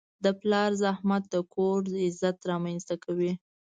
د پلار زحمت د کور عزت رامنځته کوي.